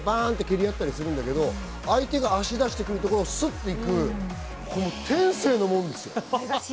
で、お互いバンと蹴り合ったりするんだけど、相手が足出してくるところをスッと行く、これは天性のものですよ。